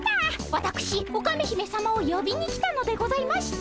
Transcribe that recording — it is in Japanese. わたくしオカメ姫さまをよびに来たのでございました。